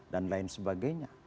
dan lain sebagainya